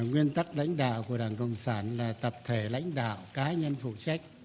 nguyên tắc lãnh đạo của đảng cộng sản là tập thể lãnh đạo cá nhân phụ trách